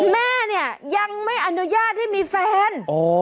แม่เนี่ยยังไม่อนุญาตให้มีแฟน